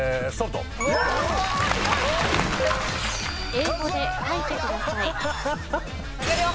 ［英語で書いてください］かうわ！